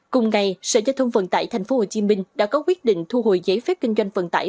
cùng ngày sở giao thông vận tải tp hcm đã có quyết định thu hồi giấy phép kinh doanh vận tải